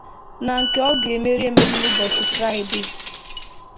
nke ọ ga-emerịrị n'ụbọchị Fraịdee